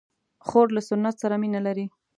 خور له سنت سره مینه لري.